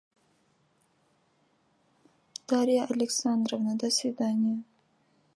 Дарья Александровна, до свиданья.